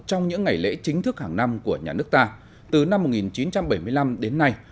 trong những ngày lễ chính thức hàng năm của nhà nước ta từ năm một nghìn chín trăm bảy mươi năm đến nay